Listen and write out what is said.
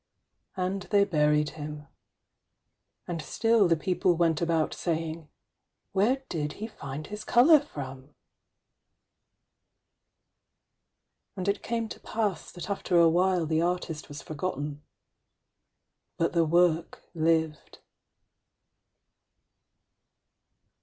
And they buried him. And still the people went about saying, ŌĆ£Where did he find his colour from? ŌĆØ And it came to pass that after a while the artist was forgotten but the work lived.